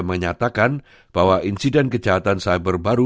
menyatakan bahwa insiden kejahatan cyber baru